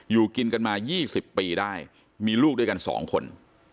อยู่กินกันมา๒๐ปีได้มีลูกด้วยกัน๒คน